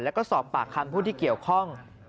แล้วก็สอบปากคำผู้ที่เกี่ยวข้อง